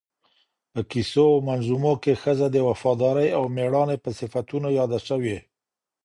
په کیسو او منظومو کي ښځه د وفادارۍ او مېړانې په صفتونو یاده سوی